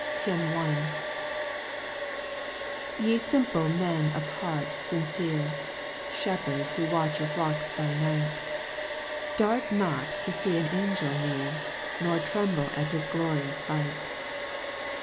HYMN I. 1 ~\7"E Ample men of heart fincerc, JL Shepherds, who watch your flocks by night, Start not to fee an Angel near, Nor tremble at his glorious light.